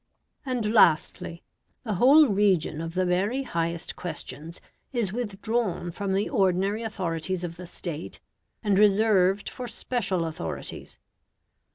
And lastly, the whole region of the very highest questions is withdrawn from the ordinary authorities of the State, and reserved for special authorities.